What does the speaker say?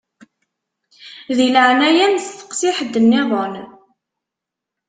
Di leɛnaya-m steqsi ḥedd-nniḍen.